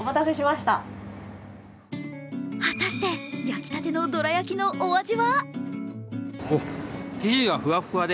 果たして焼きたてのどら焼きのお味は？